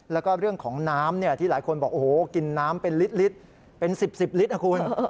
แล้วก็เรื่องของน้ำที่หลายคนบอกโอ้โหกินน้ำเป็นลิตรเป็น๑๐๑๐ลิตรนะคุณ